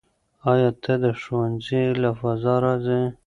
آیا ته د ښوونځي له فضا راضي یې؟